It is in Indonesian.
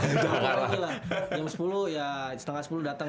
yang sepuluh ya setengah sepuluh datang